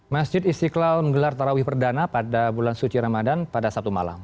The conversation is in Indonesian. masjid istiqlal menggelar tarawih perdana pada bulan suci ramadan pada sabtu malam